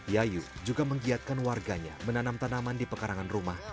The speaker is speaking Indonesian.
yayu juga menggiatkan warganya menanam tanaman di pekarangan rumah